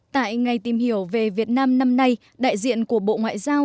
tại ngày tìm hiểu về việt nam năm nay đại diện của bộ ngoại giao